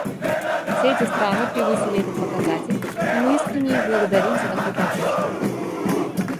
Все эти страны превысили этот показатель, и мы искренне их благодарим за такую поддержку.